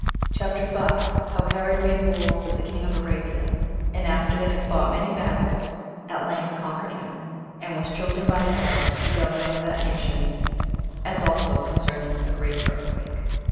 CHAPTER 5. How Herod Made War With The King Of Arabia, And After They Had Fought Many Battles, At Length Conquered Him, And Was Chosen By The Arabs To Be Governor Of That Nation; As Also Concerning A Great Earthquake.